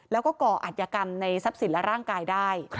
แล้วก็ก่ออัตยกรรมในทรัพย์สินและร่างกายได้